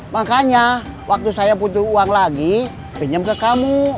makanya waktu saya butuh uang lagi pinjam ke kamu